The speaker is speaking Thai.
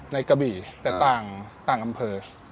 ในกะบีแต่ต่อกำเพอ